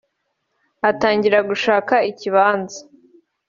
atangira gushaka ikibanza